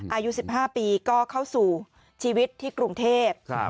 อายุ๑๕ปีก็เข้าสู่ชีวิตที่กรุงเทพ